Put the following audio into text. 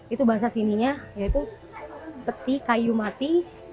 itu bahasa sininya yaitu peti kayu mati